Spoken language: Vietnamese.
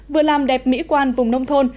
vừa làm đẹp mỹ quan vùng nông thôn